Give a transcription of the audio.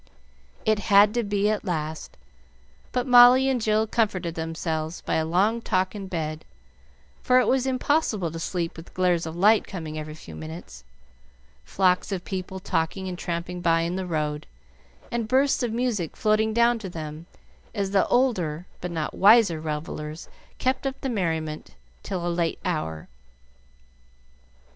It had to be at last; but Molly and Jill comforted themselves by a long talk in bed, for it was impossible to sleep with glares of light coming every few minutes, flocks of people talking and tramping by in the road, and bursts of music floating down to them as the older but not wiser revellers kept up the merriment till a late hour.